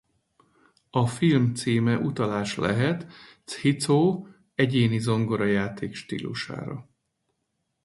A film címe utalás lehet Chico egyéni zongorajáték-stílusára.